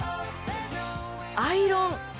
アイロン。